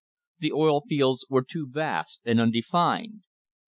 The oil fields were too vast and undefined.